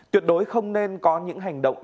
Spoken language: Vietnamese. tuyệt đối không nên có những hành động